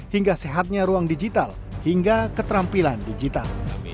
hingga sehatnya ruang digital hingga keterampilan digital